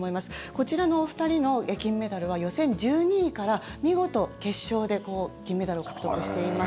こちらのお二人の金メダルは予選１２位から見事、決勝で金メダルを獲得しています。